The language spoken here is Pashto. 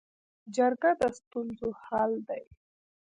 جرګه د ستونزو حل دی